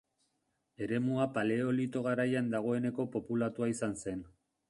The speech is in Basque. Eremua paleolito garaian dagoeneko populatua izan zen.